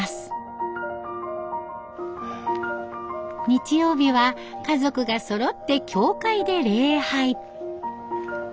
日曜日は家族がそろって教会で礼拝。